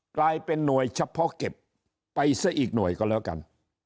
กลายเป็นหน่วยเฉพาะเก็บไปซะอีกหน่วยก็แล้วกัน